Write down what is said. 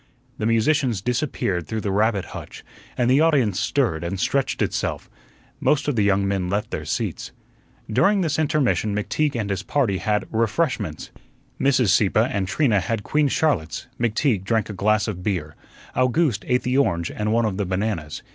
The musicians disappeared through the rabbit hutch, and the audience stirred and stretched itself. Most of the young men left their seats. During this intermission McTeague and his party had "refreshments." Mrs. Sieppe and Trina had Queen Charlottes, McTeague drank a glass of beer, Owgooste ate the orange and one of the bananas.